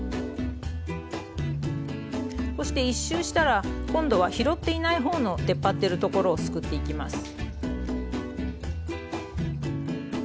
そして１周したら今度は拾っていない方の出っ張ってるところをすくっていきます。